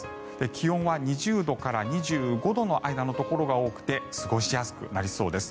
気温は２０度から２５度の間のところが多くて過ごしやすくなりそうです。